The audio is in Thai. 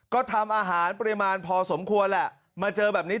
ก็ทำอาหารปริมาณพอสมควรแหละมาเจอแบบนี้